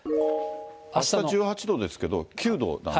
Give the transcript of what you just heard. あした１８度ですけど、９度。